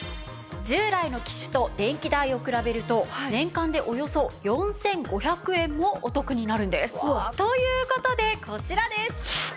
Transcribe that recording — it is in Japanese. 従来の機種と電気代を比べると年間でおよそ４５００円もお得になるんです。という事でこちらです！